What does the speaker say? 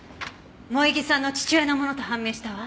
萌衣さんの父親のものと判明したわ。